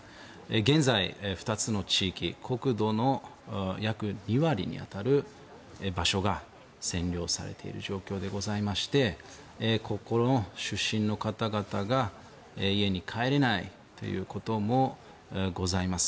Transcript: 現在、２つの地域国土の約２割に当たる場所が占領されている状況でございましてここの出身の方々が家に帰れないこともあります。